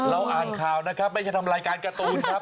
อ่านข่าวนะครับไม่ใช่ทำรายการการ์ตูนครับ